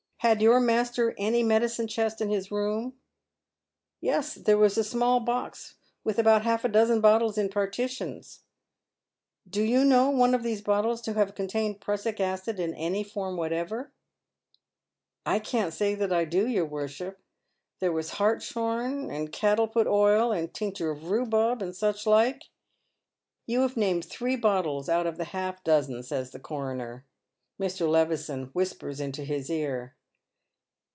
" Had your master any medicine chest in his room ?"" Yes, there was a small box, with about half a dozen bottles in partitions." " Do you know one of these bottles to have contained prussic acid in any form whatever ?"" I can't say that I do, your worship. There was hartshorn, hud caddleput oil, and tincter of rhubub, and such like." " You have named three bottles out of the half dozen," saya the coroner. Mr. Levison whispers into his ear.